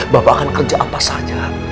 bapak akan kerja apa saja